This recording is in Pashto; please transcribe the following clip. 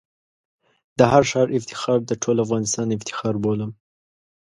د هر ښار افتخار د ټول افغانستان افتخار بولم.